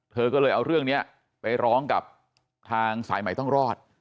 เธอก็เลยเอาเรื่องนี้ไปร้องกับทางสายใหม่ต้องรอด